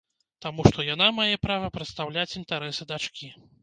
Таму што яна мае права прадстаўляць інтарэсы дачкі.